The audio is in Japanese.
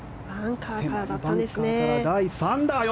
バンカーから第３打。